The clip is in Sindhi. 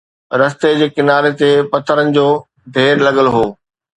رستي جي ڪناري تي پٿرن جو ڍير لڳل هو